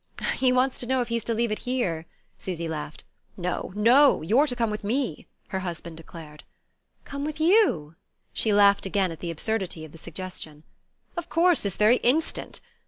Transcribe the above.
"He wants to know if he's to leave it here," Susy laughed. "No no! You're to come with me," her husband declared. "Come with you?" She laughed again at the absurdity of the suggestion. "Of course: this very instant.